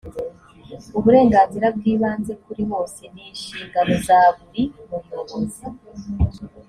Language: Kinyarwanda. uburenganzira bwibanze kuri bose nishingano zaburi muyobozi.